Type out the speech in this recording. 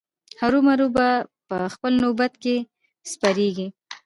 هرو مرو به په خپل نوبت کې سپریږي.